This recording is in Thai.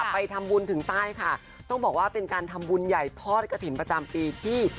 ไปทำบุญถึงใต้ค่ะต้องบอกว่าเป็นการทำบุญใหญ่ทอดกระถิ่นประจำปีที่